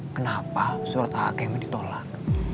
kenapa surat a'a keme ditolak